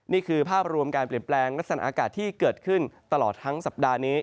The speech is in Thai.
นี่คือภาพรวมการเปลี่ยนแปลงลักษณะอากาศที่เกิดขึ้นตลอดทั้งสัปดาห์นี้